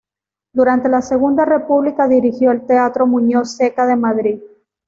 Durante la Segunda República dirigió el Teatro Muñoz Seca de Madrid.